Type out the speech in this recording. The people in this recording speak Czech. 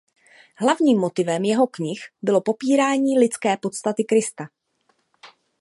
Hlavním motivem jeho knih bylo popírání lidské podstaty Krista.